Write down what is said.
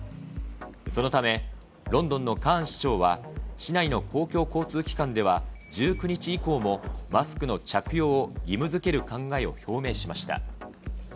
そのため、ロンドンのカーン市長は、市内の公共交通機関では、１９日以降もマスクの着用を義務づける考えを表明しました。